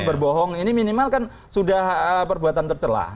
berbohong ini minimal kan sudah perbuatan tercelah